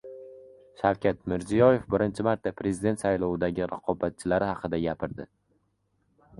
Shavkat Mirziyoev birinchi marta prezident saylovidagi raqobatchilari haqida gapirdi